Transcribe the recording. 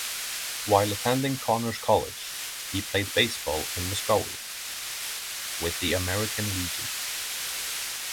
While attending Connors College, he played baseball in Muskogee with the American Legion.